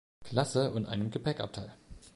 Klasse und einem Gepäckabteil.